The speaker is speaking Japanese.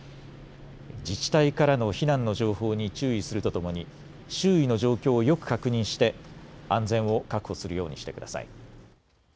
自治体からの避難の情報に注意するとともに周囲の状況をよく確認して安全を確保するようにしてください。